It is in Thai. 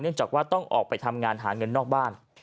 จากว่าต้องออกไปทำงานหาเงินนอกบ้าน